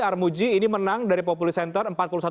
armuji ini menang dari populi center